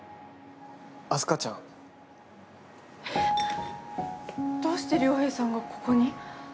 明日香ちゃん？どうして亮平さんがここに？